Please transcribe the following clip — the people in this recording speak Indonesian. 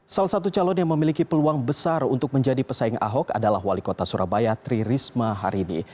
salah satu calon yang memiliki peluang besar untuk menjadi pesaing ahok adalah wali kota surabaya tri risma hari ini